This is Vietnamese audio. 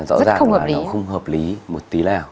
rõ ràng là nó không hợp lý một tí nào